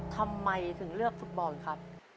ทำไมถึงเลือกฟุตบอลครับ